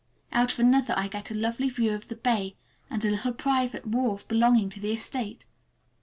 Out of another I get a lovely view of the bay and a little private wharf belonging to the estate.